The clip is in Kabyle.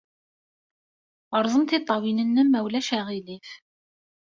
Rẓem tiṭṭawin-nnem, ma ulac aɣilif.